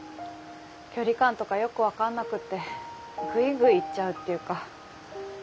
距離感とかよく分かんなくってグイグイ行っちゃうっていうか。